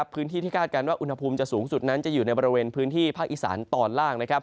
พื้นที่ที่คาดการณ์ว่าอุณหภูมิจะสูงสุดนั้นจะอยู่ในบริเวณพื้นที่ภาคอีสานตอนล่าง